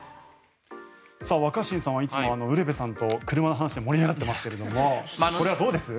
若新さんはいつもウルヴェさんと車の話で盛り上がってますがこれはどうです？